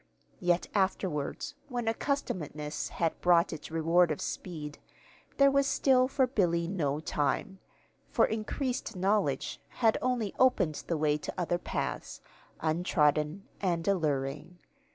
Yet afterwards, when accustomedness had brought its reward of speed, there was still for Billy no time; for increased knowledge had only opened the way to other paths, untrodden and alluring.